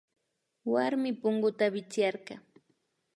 Warmi punguta wichkarka